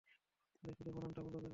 আরে শুধু বানানটা বলো, দেবরাজ।